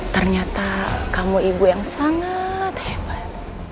ternyata kamu ibu yang sangat hebat